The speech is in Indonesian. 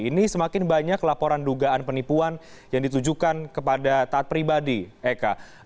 ini semakin banyak laporan dugaan penipuan yang ditujukan kepada taat pribadi eka